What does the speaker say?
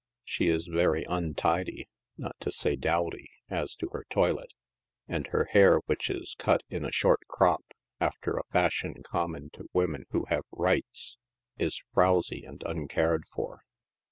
She is very untidy, not to say " dowdy," as to her toilet, and her hair, which is cut in a short crop, after a fashion common to wo men who have " rights," is frowsy and uncared for.